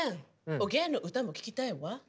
おげんの歌も聴きたいわ。